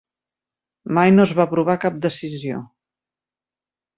Mai no es va aprovar cap decisió.